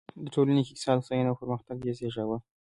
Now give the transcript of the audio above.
د ټولنه کې اقتصادي هوساینه او پرمختګ یې زېږاوه.